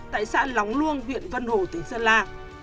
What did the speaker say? tại xã lóng luông huyện vân hồ tỉnh sơn la